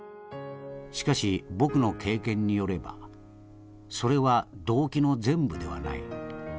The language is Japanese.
しかし僕の経験によればそれは動機の全部ではない。